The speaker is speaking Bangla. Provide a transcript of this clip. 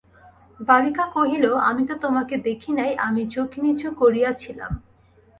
বালিকা কহিল, আমি তো তোমাকে দেখি নাই, আমি চোখ নিচু করিয়া ছিলাম।